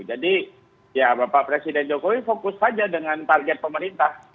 jadi ya bapak presiden jokowi fokus saja dengan target pemerintah